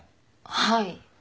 はい。